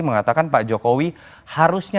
mengatakan pak jokowi harusnya